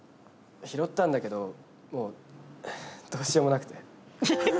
拾ったんだけどもうどうしようもなくて。